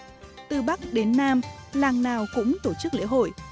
lễ hội bất tận từ bắc đến nam làng nào cũng tổ chức lễ hội